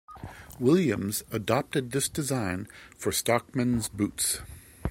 Williams adapted this design for stockmen's boots.